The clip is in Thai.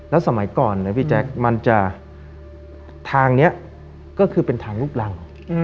แล้วสมัยก่อนเนี่ยพี่แจ๊คทางนี้ก็คือเป็นทางรูปรัง